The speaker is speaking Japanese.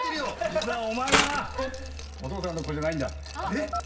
実はお前はお父さんの子じゃないんだ。えっ？